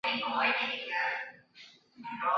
这不是民主